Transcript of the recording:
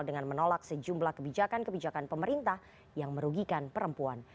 dengan menolak sejumlah kebijakan kebijakan pemerintah yang merugikan perempuan